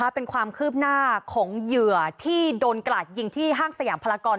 เป็นความคืบหน้าของเหยื่อที่โดนกราดยิงที่ห้างสยามพลากร